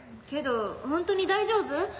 けどほんとに大丈夫？